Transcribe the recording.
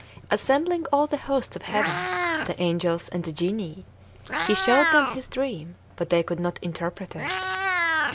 Assembling all the hosts of heaven, the angels, and the genii, he showed them his dream, but they could not interpret it.